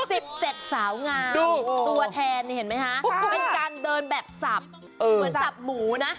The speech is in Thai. สิบเจ็ดสาวงามตัวแทนนี่เห็นไหมคะเป็นการเดินแบบสับเหมือนสับหมูนะ